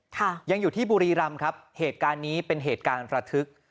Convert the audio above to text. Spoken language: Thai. ค่ะยังอยู่ที่บุรีรำครับเหตุการณ์นี้เป็นเหตุการณ์ระทึก